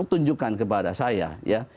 itu pertunjukan kepada saya ya